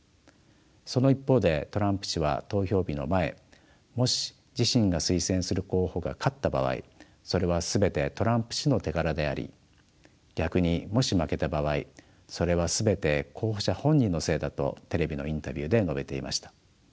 その一方でトランプ氏は投票日の前もし自身が推薦する候補が勝った場合それは全てトランプ氏の手柄であり逆にもし負けた場合それは全て候補者本人のせいだとテレビのインタビューで述べていました。